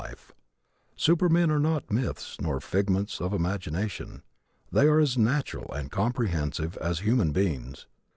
The supermen are not myths nor figments of imagination. They are as natural and comprehensive as human beings.